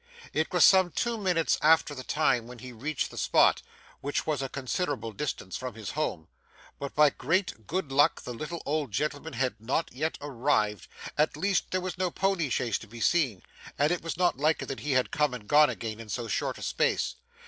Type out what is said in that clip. It was some two minutes after the time when he reached the spot, which was a considerable distance from his home, but by great good luck the little old gentleman had not yet arrived; at least there was no pony chaise to be seen, and it was not likely that he had come and gone again in so short a space.